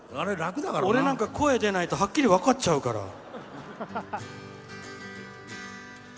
俺なんか声、出ないとはっきり分かっちゃうから。